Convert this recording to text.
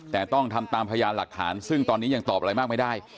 แต่ต้องทำตามพยานหลักฐานซึ่งตอนนี้ยังตอบอะไรมากไม่ได้